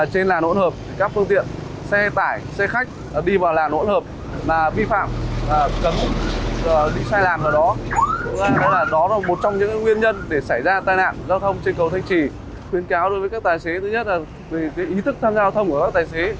cầu thanh trì khuyên cáo đối với các tài xế thứ nhất là ý thức tham gia giao thông của các tài xế